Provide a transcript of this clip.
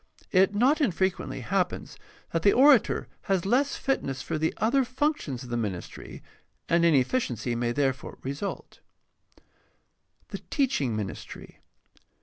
It not infrequently happens that the orator has less fitness for the other functions of the ministry, and inefficiency may there fore result. The teaching ministry.